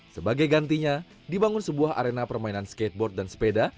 sebagai gantinya dibangun sebuah arena permainan skateboard dan sepeda